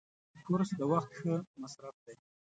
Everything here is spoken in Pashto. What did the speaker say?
کورس د وخت ښه مصرف دی.